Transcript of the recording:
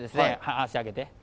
足上げて。